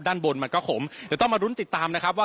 ด้านบนมันก็ขมเดี๋ยวต้องมารุ้นติดตามนะครับว่า